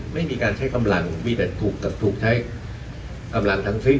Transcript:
ไม่มีการใช้กำลังมีแต่ถูกกับถูกใช้กำลังทั้งสิ้น